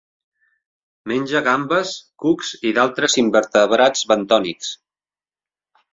Menja gambes, cucs i d'altres invertebrats bentònics.